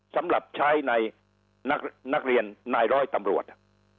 สำหรับใช้ในนักเรียนนายร้อยตำรวจ